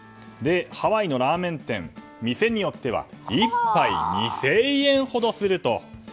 ハワイのラーメン店店によっては１杯２０００円ほどすると。